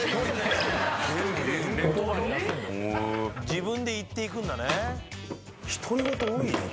自分で言っていくんだね。